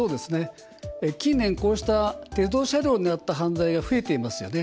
近年、こうした鉄道車両の犯罪が増えていますよね。